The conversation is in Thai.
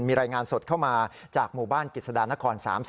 มีรายงานสดเข้ามาจากหมู่บ้านกิจสดานคร๓๐